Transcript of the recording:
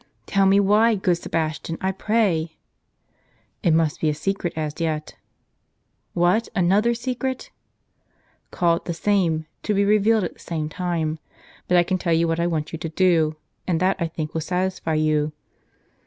" Tell me why, good Sebastian, I pray." " It must be a secret as yet." " What, another secret ?"" Call it the same, to be revealed at the same time. But I can tell you what I want you to do, and that I think will satisfy you.